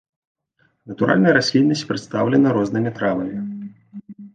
Натуральная расліннасць прадстаўлена рознымі травамі.